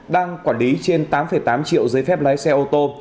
đang quản lý trên tám tám triệu giấy phép lái xe ô tô